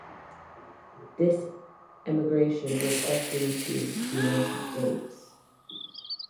This emigration was often to the United States.